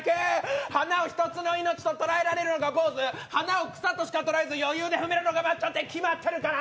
花を１つの命と捉えられるのがぼうず花を草としか捉えず余裕で踏めるのがマッチョって決まってるから！